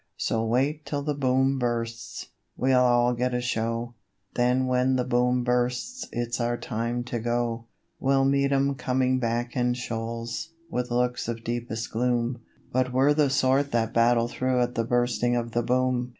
So wait till the Boom bursts! we'll all get a show: Then when the Boom bursts is our time to go. We'll meet 'em coming back in shoals, with looks of deepest gloom, But we're the sort that battle through at the Bursting of the Boom.